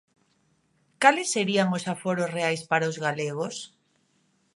¿Cales serían os aforos reais para os galegos?